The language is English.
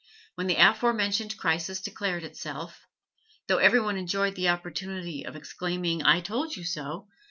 When the afore mentioned crisis declared itself, though every one enjoyed the opportunity of exclaiming 'I told you so!'